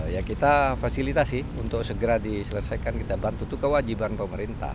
ya kita fasilitasi untuk segera diselesaikan kita bantu itu kewajiban pemerintah